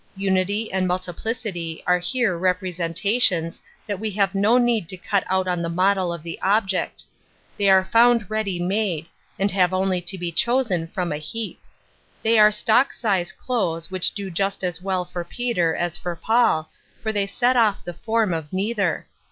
Unity and multiplicity iare liere representations that we have no need to cut out on tlie model of the object ; they are found i eady made, and have only I to be chosen from a heap. Thoy are stock l.flize clothes which do just as well for Peter [ as for Paul, for they set ofE the form of neither.